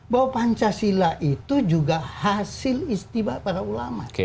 bahwa pancasila itu juga hasil istiba para ulama